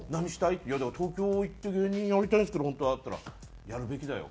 「いやだから東京行って芸人やりたいんですけど本当は」って言ったら「やるべきだよ」